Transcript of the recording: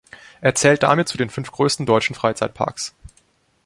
Er zählt damit zu den fünf größten deutschen Freizeitparks.